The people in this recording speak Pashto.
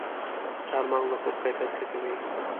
چارمغز د خوب کیفیت ښه کوي.